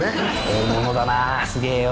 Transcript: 大物だなすげえよ。